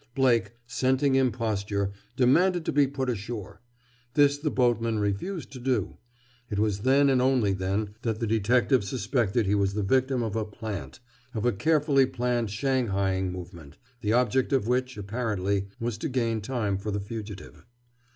Blake, scenting imposture, demanded to be put ashore. This the boatman refused to do. It was then and only then that the detective suspected he was the victim of a "plant," of a carefully planned shanghaing movement, the object of which, apparently, was to gain time for the fugitive.